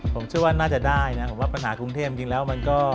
ผมเชื่อว่าน่าจะได้นะผมว่าปัญหากรุงเทพจริงแล้วมันก็